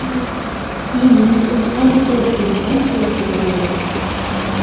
Ini-d anta deg-sent ay tebɣiḍ.